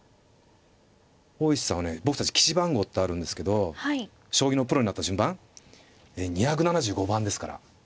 大石さんはね僕たち棋士番号ってあるんですけど将棋のプロになった順番２７５番ですから。